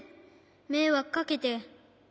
めいわくかけて。